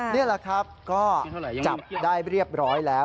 นี่แหละครับก็จับได้เรียบร้อยแล้ว